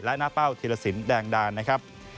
และหน้าเป้าธีรสินแดงดานนะครับ